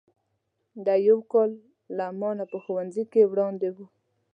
دی یو کال له ما نه په ښوونځي کې وړاندې و.